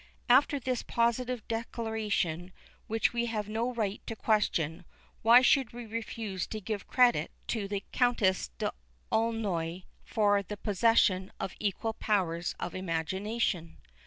_" After this positive declaration, which we have no right to question, why should we refuse to give credit to the Countess d'Aulnoy for the possession of equal powers of imagination?